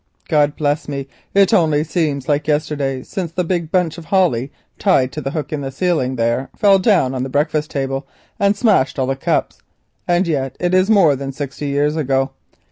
God bless me, it only seems like yesterday since the big bunch of holly tied to the hook in the ceiling there fell down on the breakfast table and smashed all the cups, and yet it is more than sixty years ago.